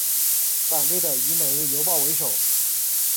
反对的以每日邮报为首。